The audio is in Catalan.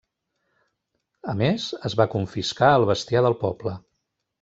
A més, es va confiscar el bestiar del poble.